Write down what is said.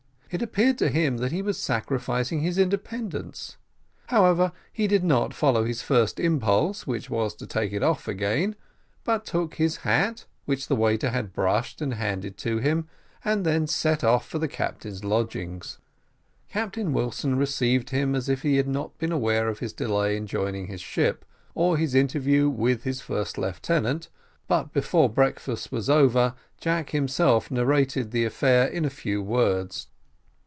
It appeared to him that he was sacrificing his independence; however, he did not follow his first impulse, which was to take it off again, but took his hat, which the waiter had brushed and handed to him, and then set off for the captain's lodgings. Captain Wilson received him as if he had not been aware of his delay in joining his ship, or his interview with his first lieutenant, but before breakfast was over, Jack himself narrated the affair in a few words.